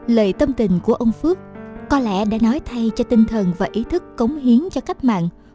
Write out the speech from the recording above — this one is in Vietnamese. lời tâm tình của ông phước có lẽ đã nói thay cho tinh thần và ý thức cống hiến cho cách mạng